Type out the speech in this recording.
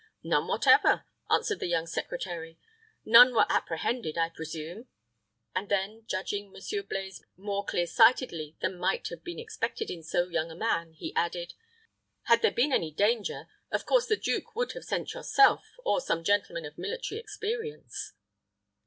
"None whatever," answered the young secretary. "None were apprehended, I presume." And then, judging Monsieur Blaize more clear sightedly than might have been expected in so young a man, he added, "Had there been any danger, of course the duke would have sent yourself or some gentleman of military experience."